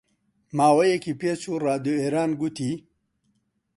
ماوەیەکی پێچوو ڕادیۆ ئێران گوتی: